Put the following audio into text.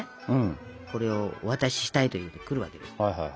これをお渡ししたいといって来るわけですよ。